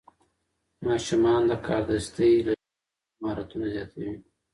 ماشومان د کاردستي له لارې خپل مهارتونه زیاتوي.